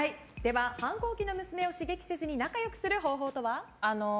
反抗期の娘を刺激せずに仲良くする方法とは？